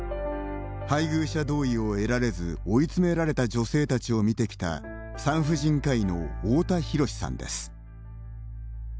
配偶者同意を得られず追い詰められた女性たちを診てきた産婦人科医の太田寛さんです。